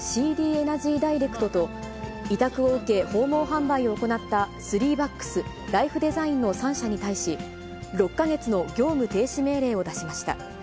エナジーダイレクトと、委託を受け、訪問販売を行った３Ｂａｃｋｓ、ライフデザインの３社に対し、６か月の業務停止命令を出しました。